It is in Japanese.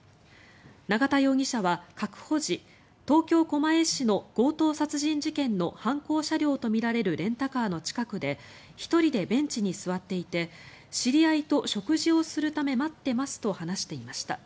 永田容疑者は確保時東京・狛江市の強盗殺人事件の犯行車両とみられるレンタカーの近くで１人でベンチに座っていて知り合いと食事をするため待ってますと話していました。